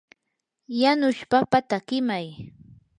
yanush papata qimay.